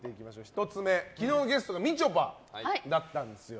１つ目、昨日のゲストがみちょぱだったんですよ。